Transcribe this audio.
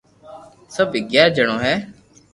سب اگياري جڻو ھي